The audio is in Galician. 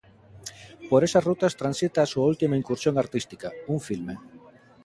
Por esas rutas transita a súa última incursión artística: un filme.